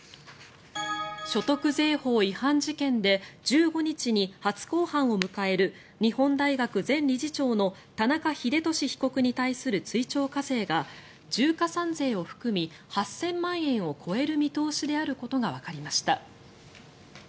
所得税法違反事件で１５日に初公判を迎える日本大学前理事長の田中英寿被告に対する追徴課税が重加算税を含み８０００万円を超える見通しであることがわかりました。